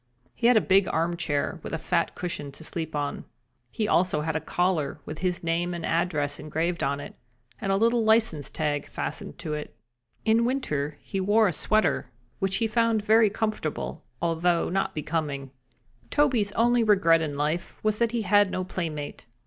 He had a big armchair with a fat cushion to sleep on. He also had a collar with his name and address engraved on it, and a little license tag fastened to it. In winter he wore a sweater, which he found very comfortable, although not so becoming. Toby's only regret in life was that he had no playmate.